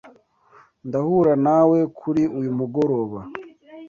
Ndahura nawe kuri uyu mugoroba.